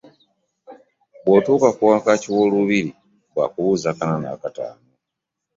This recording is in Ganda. Bw'otuuka ku wankaaki w'olubiri bwakubuuza akana n'akataano.